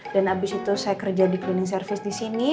dan abis itu saya kerja di cleaning service disini